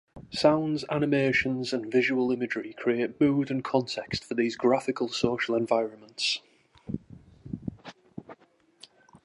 Sounds, animations, and visual imagery create mood and context for these graphical social environments.